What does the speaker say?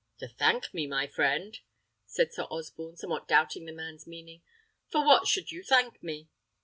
"To thank me, my friend!" said Sir Osborne, somewhat doubting the man's meaning; "for what should you thank me?"